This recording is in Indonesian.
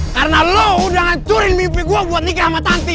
karena lu udah ngancurin mimpi gue buat nikah sama tanti